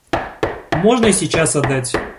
Можно и сейчас отдать.